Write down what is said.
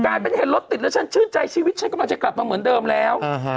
เห็นรถติดแล้วฉันชื่นใจชีวิตฉันกำลังจะกลับมาเหมือนเดิมแล้ว